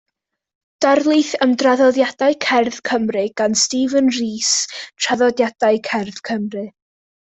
Darlith am draddodiadau cerdd Cymru gan Stephen Rees yw Traddodiadau Cerdd Cymru.